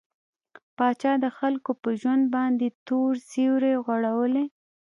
پاچا د خلکو په ژوند باندې تور سيورى غوړولى.